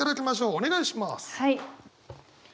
お願いします。